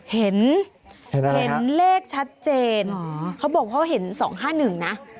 เห็นเห็นเลขชัดเจนเขาบอกเขาเห็น๒๕๑นะ